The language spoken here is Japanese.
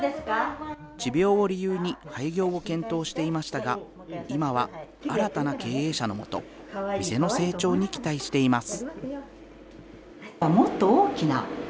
持病を理由に廃業を検討していましたが、今は新たな経営者の下、店の成長に期待しています。